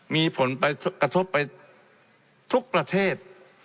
มีผลกระทบไปทุกประเทศ